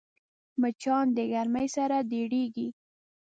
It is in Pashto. مچان د ګرمۍ سره ډېریږي